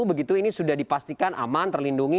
begitu ini sudah dipastikan aman terlindungi